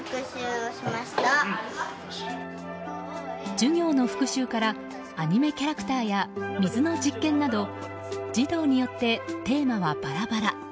授業の復習からアニメキャラクターや水の実験など児童によってテーマはバラバラ。